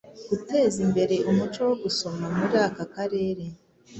guteza imbere umuco wo gusoma muri aka karere.